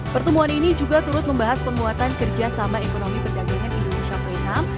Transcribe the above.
pertemuan ini juga turut membahas penguatan kerjasama ekonomi perdagangan indonesia vietnam